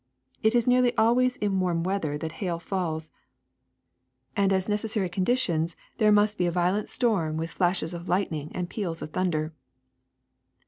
It is nearly always in warm weather that hail falls, and as necessary conditions there must be a SNOW S47 violent storm with flashes of lightning and peals of thunder.